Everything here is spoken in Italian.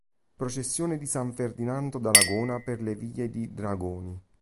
Processione di San Ferdinando D'Aragona per le vie di Dragoni.